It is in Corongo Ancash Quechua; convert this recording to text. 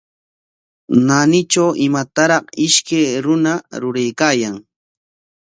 Naanitraw imataraq ishkay runa ruraykaayan.